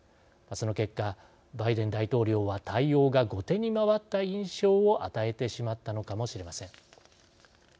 その結果、バイデン大統領は対応が後手に回った印象を与えてしまったのかもしれません。